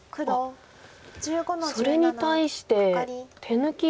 あっそれに対して手抜きで。